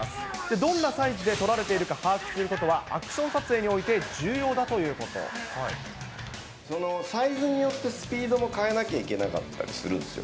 どんなサイズで撮られているか把握することは、アクション撮影にそのサイズによって、スピードも変えなきゃいけなかったりするんですよ。